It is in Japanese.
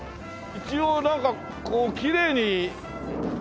一応なんかこうきれいに。